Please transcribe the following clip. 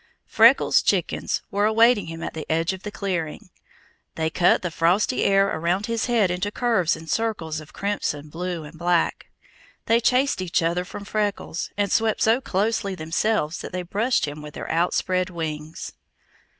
Freckles' chickens were awaiting him at the edge of the clearing. They cut the frosty air around his head into curves and circles of crimson, blue, and black. They chased each other from Freckles, and swept so closely themselves that they brushed him with their outspread wings.